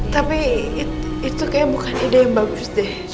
tapi itu kayaknya bukan ide yang bagus deh